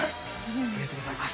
ありがとうございます。